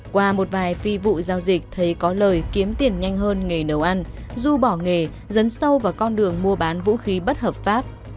qua một vài phi vụ giao dịch thấy có lời kiếm tiền nhanh hơn nghề nấu ăn du bỏ nghề dấn sâu vào con đường mua bán vũ khí bất hợp pháp